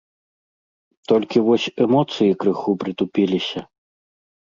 Толькі вось эмоцыі крыху прытупіліся.